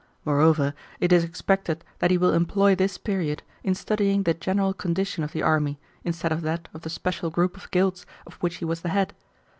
Moreover, it is expected that he will employ this period in studying the general condition of the army, instead of that of the special group of guilds of which he was the head.